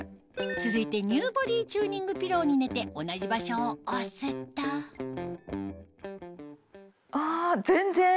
続いてＮＥＷボディーチューニングピローに寝て同じ場所を押すとあ全然。